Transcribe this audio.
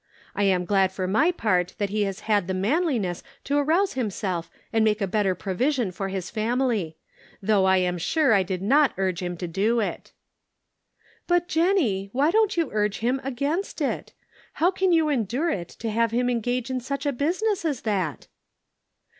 I am glad for my part that he has had the manliness to arouse himself and make a better provision for his family ; though I am sure I did not urge him to do it." " But, Jennie, why don't you urge him against it ? How can you endure it to have him engage in such a business as that?"